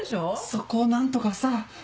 そこを何とかさ！